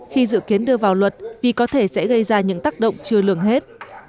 khi dự kiến đưa vào luật vì có thể sẽ gây ra những tác động chưa lường hết